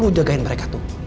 lo jagain mereka tuh